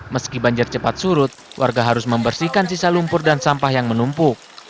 meski banjir cepat surut warga harus membersihkan sisa lumpur dan sampah yang menumpuk